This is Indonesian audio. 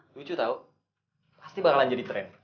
lucu tau pasti bakalan jadi tren